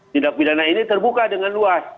tindak pidana ini terbuka dengan luas